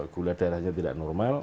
gula darahnya tidak normal